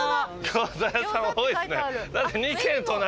餃子屋さん多いですね。